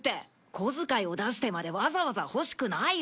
小遣いを出してまでわざわざ欲しくないよ。